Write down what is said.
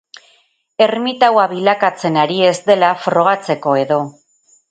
Ermitaua bilakatzen ari ez dela frogatzeko-edo.